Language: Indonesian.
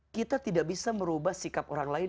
kita tidak bisa merubah sikap orang lain